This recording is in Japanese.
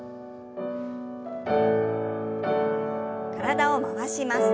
体を回します。